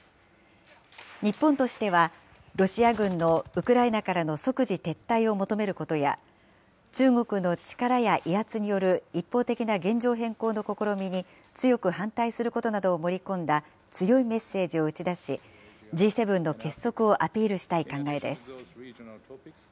日本としては、ロシア軍のウクライナからの即時撤退を求めることや、中国の力や威圧による一方的な現状変更の試みに強く反対することなどを盛り込んだ強いメッセージを打ち出し、Ｇ７の結束をアピールしたい考えです。